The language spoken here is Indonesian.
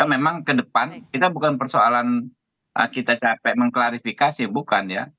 memang ke depan kita bukan persoalan kita capek mengklarifikasi bukan ya